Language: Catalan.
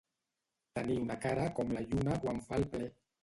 Tenir una cara com la lluna quan fa el ple.